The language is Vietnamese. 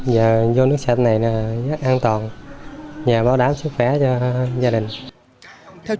giờ vô nước sạch này rất an toàn và bảo đảm sức khỏe cho gia đình